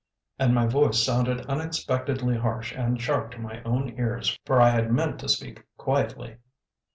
And my voice sounded unexpectedly harsh and sharp to my own ears, for I had meant to speak quietly.